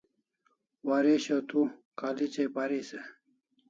Waresho tu college ai paris e?